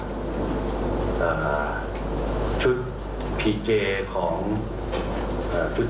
ชุดพีเจของชุดบริการพิเศษของกองทับอากาศนี่นะครับ